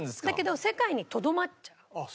だけど世界にとどまっちゃう。